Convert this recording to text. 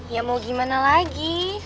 ya mau gimana lagi